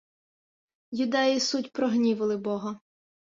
— Юдеї суть прогнівили бога.